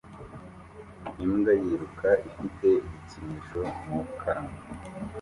Imbwa yiruka ifite igikinisho mu kanwa